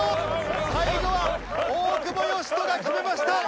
最後は大久保嘉人が決めました！